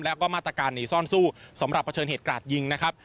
แล้วก็มาตรการหนีซ่อนสู้สำหรับเผชิญเหตุกราดยิงนะครับ